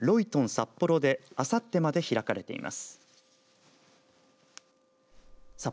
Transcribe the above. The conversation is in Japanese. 札幌であさってまで開かれています。